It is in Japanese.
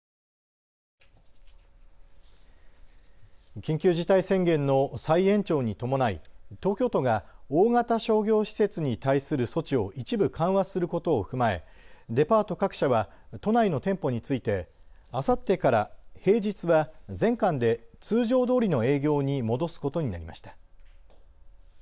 緊急事態宣言の再延長に伴い東京都が大型商業施設に対する措置を一部緩和することを踏まえデパート各社は都内の店舗についてあさってから平日は全館で通常どおりの営業に戻すことになりました。